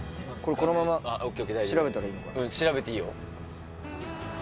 うん調べていいよ。